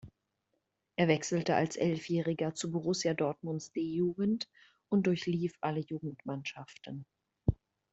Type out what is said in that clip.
Er wechselte als Elfjähriger zu Borussia Dortmunds D-Jugend und durchlief alle Jugendmannschaften.